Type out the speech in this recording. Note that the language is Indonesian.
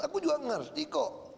aku juga ngerti kok